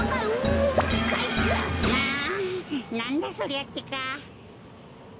なんだそりゃってか。